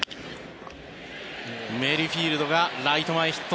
メリーフィールドがライト前ヒット。